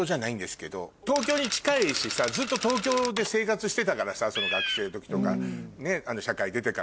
東京に近いしさずっと東京で生活してたからさ学生の時とか社会出てからも。